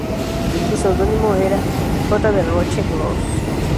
Su seudónimo era J. de Roche-Grosse.